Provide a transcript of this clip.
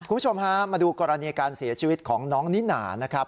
คุณผู้ชมฮะมาดูกรณีการเสียชีวิตของน้องนิน่านะครับ